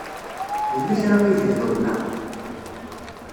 Yella kra aydeg ḍelmeɣ?